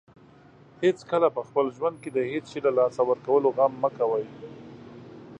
هیڅکله په خپل ژوند کې د هیڅ شی له لاسه ورکولو غم مه کوئ.